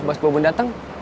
bas bubun dateng